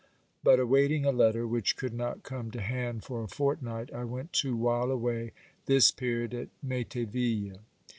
But, awaiting a letter which could not come to hand for a fortnight, I went to while away this period at Meterville.